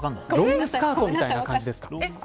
ロングスカートみたいな感じですか。